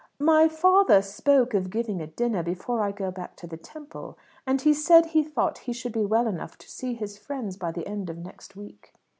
"My father spoke of giving a dinner before I go back to the Temple, and he said he thought he should be well enough to see his friends by the end of next week."